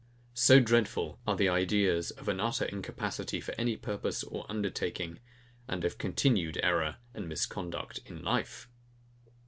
So dreadful are the ideas of an utter incapacity for any purpose or undertaking, and of continued error and misconduct in life!